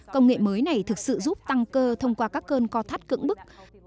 công nghệ mới này thực sự giúp tăng cơ thông qua các cơn co thắt cưỡng bức